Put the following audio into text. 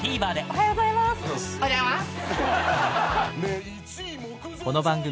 おはようございます！